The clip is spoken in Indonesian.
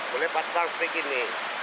boleh patah seperti ini